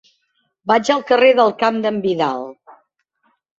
Vaig al carrer del Camp d'en Vidal.